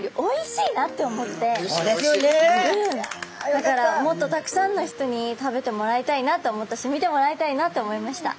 だからもっとたくさんの人に食べてもらいたいなと思ったし見てもらいたいなと思いました。